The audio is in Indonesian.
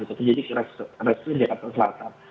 penyidik resmi jakarta selatan